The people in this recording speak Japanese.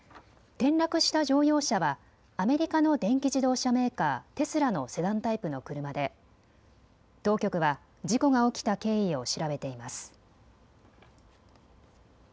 転落した乗用車はアメリカの電気自動車メーカー、テスラのセダンタイプの車で当局は事故が起きた経緯を調べています。